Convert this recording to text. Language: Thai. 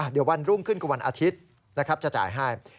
เดี๋ยววันรุ่งขึ้นก็วันอาทิตย์จะจ่ายให้